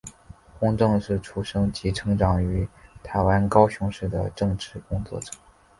洪正是出生及成长于台湾高雄市的政治工作者。